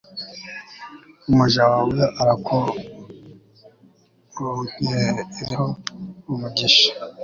umuja wawe arakuronkereho umugisha